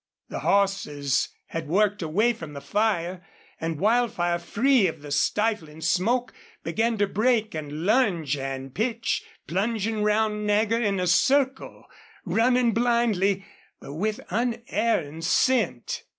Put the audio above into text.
The horses had worked away from the fire, and Wildfire, free of the stifling smoke, began to break and lunge and pitch, plunging round Nagger in a circle, running blindly, but with unerring scent.